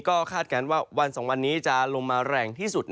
ก็คาดการณ์ว่าวัน๒วันนี้จะลงมาแรงที่สุด